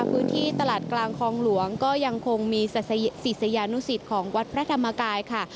พื้นที่ตลาดกลางคลองหลวงก็ยังคงมีศิษยานุสิตของวัดพระธรรมกายค่ะ